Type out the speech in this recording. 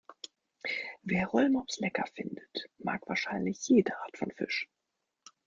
Wer Rollmops lecker findet, mag wahrscheinlich jede Art von Fisch.